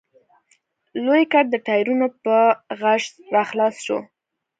لوی ګټ د ټايرونو په غژس راخلاص شو.